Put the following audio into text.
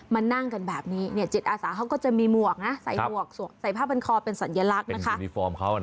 มานั่งกันแบบนี้เนี่ยจิตอาสาเขาก็จะมีหมวกนะใส่หมวกใส่ผ้าเป็นคอเป็นสัญลักษณ์นะคะ